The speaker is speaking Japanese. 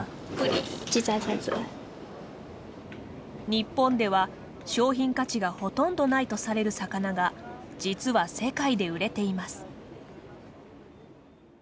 日本では商品価値がほとんどないとされる魚が実は世界で売れています。